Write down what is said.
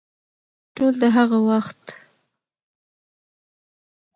ټول د هغه وخت